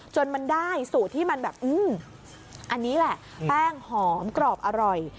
จนมันได้สูตรที่มันแบบอันนี้แหละแป้งหอมกรอบอร่อย